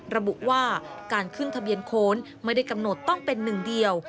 ระบุว่าการขึ้นทะเบียนโคนไม่ได้กำหนดต้องเป็นหนึ่งเดียว